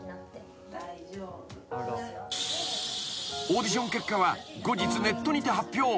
［オーディション結果は後日ネットにて発表］